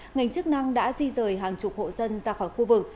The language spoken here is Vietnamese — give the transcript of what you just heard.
ngành chức năng đã di rời hàng chục hộ dân ra khỏi khu vực